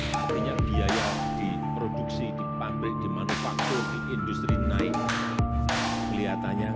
hai penyedia yang diproduksi di pabrik di manufaktur industri naik kelihatannya